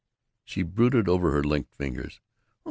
She brooded over her linked fingers.